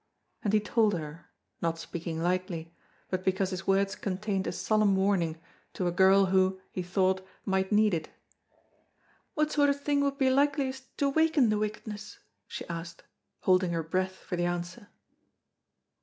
And he told her, not speaking lightly, but because his words contained a solemn warning to a girl who, he thought, might need it. "What sort of thing would be likeliest to waken the wickedness?" she asked, holding her breath for the answer.